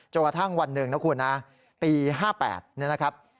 จนกว่าทั้งวันหนึ่งนะคุณนะปีห้าแปดเนี่ยนะครับ